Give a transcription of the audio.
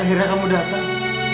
akhirnya kamu datang